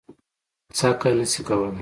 څکه نه شي کولی.